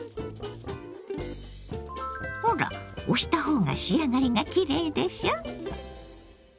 ほら押した方が仕上がりがきれいでしょ！